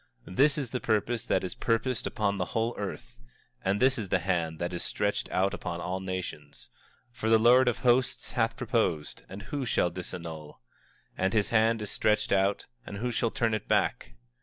24:26 This is the purpose that is purposed upon the whole earth; and this is the hand that is stretched out upon all nations. 24:27 For the Lord of Hosts hath purposed, and who shall disannul? And his hand is stretched out, and who shall turn it back?